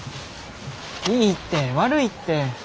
いいって悪いって。